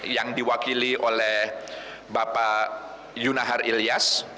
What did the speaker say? yang diwakili oleh bapak yunahar ilyas